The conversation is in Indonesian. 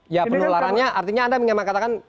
ya penularannya artinya anda mengatakan